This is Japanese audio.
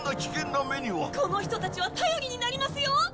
この人たちは頼りになりますよ！